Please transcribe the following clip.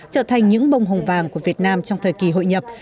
trở thành những bông hồng vàng của việt nam trong thời kỳ hội nhập